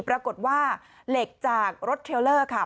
ปรากฏว่าเหล็กจากรถเทลเลอร์ค่ะ